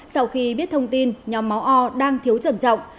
sau khi biết thông tin nhóm máu o đang thiếu trầm trọng